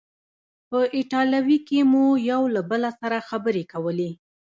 په ایټالوي کې مو یو له بل سره خبرې کولې.